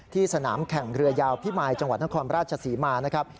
สนามแข่งเรือยาวพิมายจังหวัดนครราชศรีมานะครับ